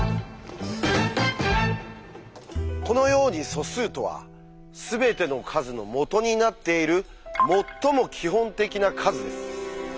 このように素数とは全ての数のもとになっている「最も基本的な数」です。